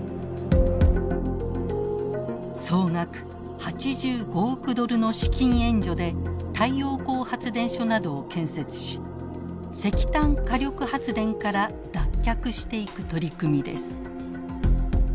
総額８５億ドルの資金援助で太陽光発電所などを建設し石炭火力発電から脱却していく取り組みです。